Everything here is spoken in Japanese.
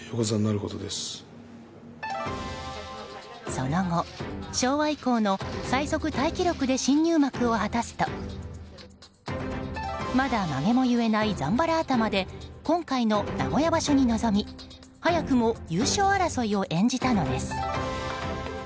その後、昭和以降の最速タイ記録で新入幕を果たすとまだまげもゆえないざんばら頭で今回の名古屋場所に臨み早くも優勝争いを演じたのです。